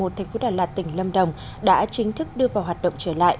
thành phố đà lạt tỉnh lâm đồng đã chính thức đưa vào hoạt động trở lại